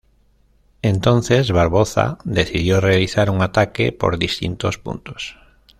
Entonces Barboza decidió realizar un ataque por distintos puntos.